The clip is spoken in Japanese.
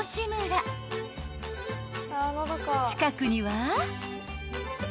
［近くには］